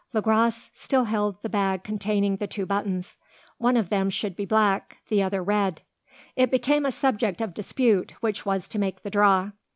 Le Gros still held the bag containing the two buttons. One of them should be black, the other red. It became a subject of dispute, which was to make the draw.